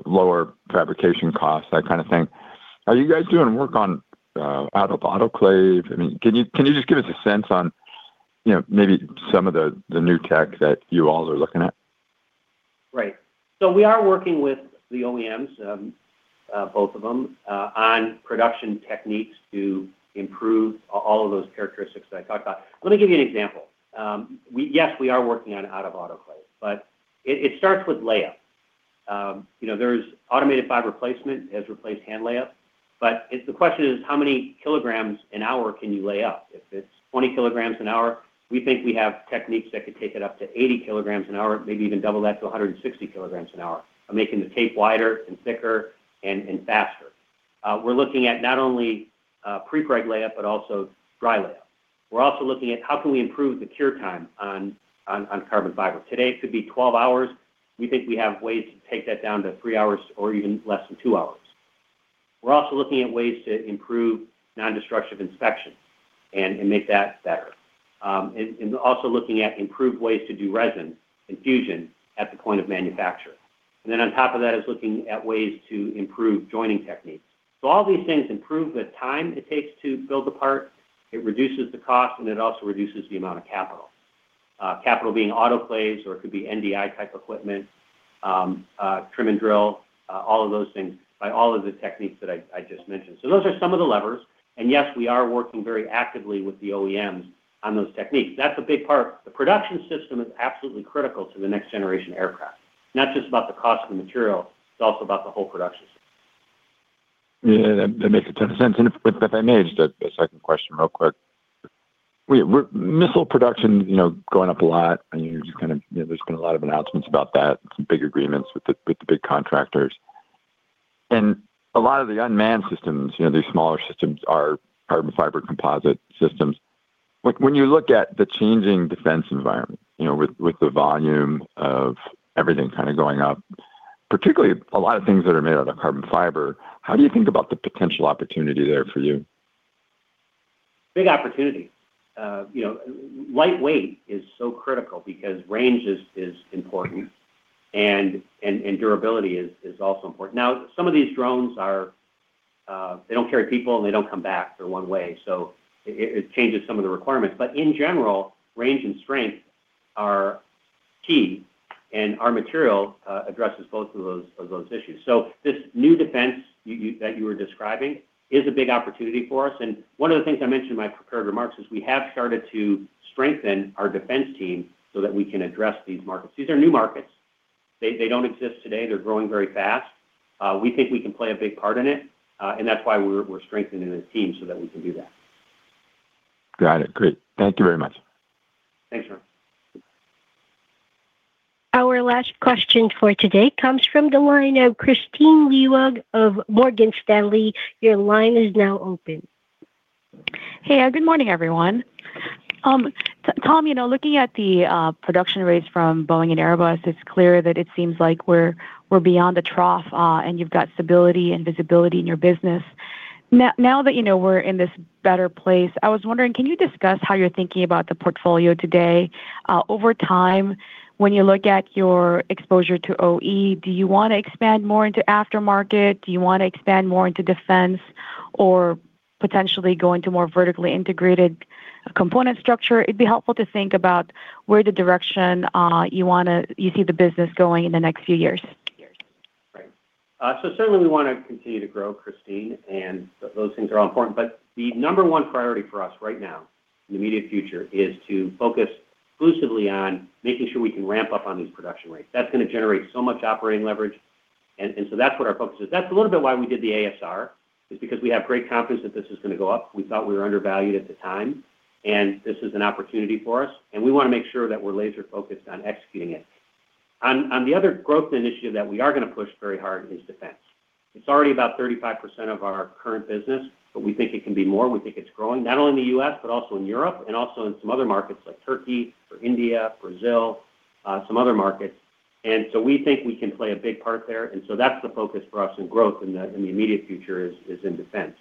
lower fabrication costs, that kind of thing. Are you guys doing work on out-of-autoclave? I mean, can you, can you just give us a sense on, you know, maybe some of the, the new tech that you all are looking at? Right. So we are working with the OEMs, both of them, on production techniques to improve all of those characteristics that I talked about. Let me give you an example. We-- yes, we are working on out-of-autoclave, but it starts with layup. You know, there's automated fiber placement, has replaced hand layup, but it's-- the question is, how many kilograms an hour can you lay up? If it's 20 kg an hour, we think we have techniques that could take it up to 80 kg an hour, maybe even double that to 160 kg an hour, by making the tape wider and thicker and faster. We're looking at not only prepreg layup, but also dry layup. We're also looking at how can we improve the cure time on carbon fiber. Today, it could be 12 hours. We think we have ways to take that down to 3 hours or even less than 2 hours. We're also looking at ways to improve non-destructive inspection and make that better. And also looking at improved ways to do resin infusion at the point of manufacture. And then on top of that, is looking at ways to improve joining techniques. So all these things improve the time it takes to build the part, it reduces the cost, and it also reduces the amount of capital. Capital being autoclaves, or it could be NDI type equipment, trim and drill, all of those things, by all of the techniques that I just mentioned. So those are some of the levers, and yes, we are working very actively with the OEMs on those techniques. That's a big part. The production system is absolutely critical to the next generation aircraft. Not just about the cost of the material, it's also about the whole production system. Yeah, that, that makes a ton of sense. And if, if I may, just a, a second question real quick. We, missile production, you know, going up a lot, I mean, you're just kinda, you know, there's been a lot of announcements about that, some big agreements with the, with the big contractors. And a lot of the unmanned systems, you know, these smaller systems are carbon fiber composite systems. But when you look at the changing defense environment, you know, with the volume of everything kind of going up, particularly a lot of things that are made out of carbon fiber, how do you think about the potential opportunity there for you? Big opportunity. You know, lightweight is so critical because range is important, and durability is also important. Now, some of these drones are they don't carry people, and they don't come back. They're one way, so it changes some of the requirements. But in general, range and strength are key, and our material addresses both of those issues. So this new defense that you were describing is a big opportunity for us, and one of the things I mentioned in my prepared remarks is we have started to strengthen our defense team so that we can address these markets. These are new markets. They don't exist today. They're growing very fast. We think we can play a big part in it, and that's why we're strengthening the team so that we can do that. Got it. Great. Thank you very much. Thanks, Ron. Our last question for today comes from the line of Kristine Liwag of Morgan Stanley. Your line is now open. Hey, good morning, everyone. Tom, you know, looking at the production rates from Boeing and Airbus, it's clear that it seems like we're beyond the trough, and you've got stability and visibility in your business. Now that you know we're in this better place, I was wondering, can you discuss how you're thinking about the portfolio today? Over time, when you look at your exposure to OE, do you want to expand more into aftermarket? Do you want to expand more into defense or potentially go into more vertically integrated component structure? It'd be helpful to think about where the direction, you wanna, you see the business going in the next few years. Right. So certainly we wanna continue to grow, Christine, and those things are all important, but the number one priority for us right now in the immediate future is to focus exclusively on making sure we can ramp up on these production rates. That's gonna generate so much operating leverage, and so that's what our focus is. That's a little bit why we did the ASR, is because we have great confidence that this is gonna go up. We thought we were undervalued at the time, and this is an opportunity for us, and we wanna make sure that we're laser focused on executing it. On the other growth initiative that we are gonna push very hard is defense. It's already about 35% of our current business, but we think it can be more. We think it's growing, not only in the U.S., but also in Europe and also in some other markets like Turkey or India, Brazil, some other markets. And so we think we can play a big part there, and so that's the focus for us in growth in the immediate future is in defense.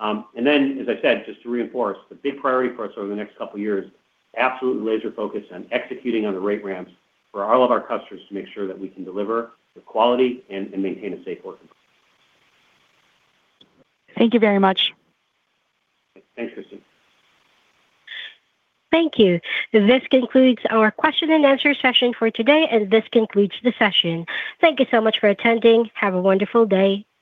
And then, as I said, just to reinforce, the big priority for us over the next couple of years, absolutely laser focused on executing on the rate ramps for all of our customers to make sure that we can deliver the quality and maintain a safe work environment. Thank you very much. Thanks, Christine. Thank you. This concludes our question and answer session for today, and this concludes the session. Thank you so much for attending. Have a wonderful day. Good-